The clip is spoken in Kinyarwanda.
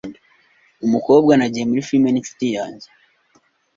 Umukobwa nagiye muri firime ninshuti yanjye.